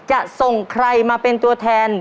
จะส่งใครมาเป็นตัวแทน